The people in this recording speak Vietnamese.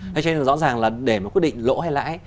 thế cho nên rõ ràng là để quyết định lỗ hay lãi